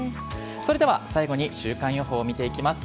それでは最後に週間予報を見ていきます。